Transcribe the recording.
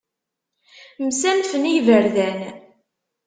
Msanfen i iberdan.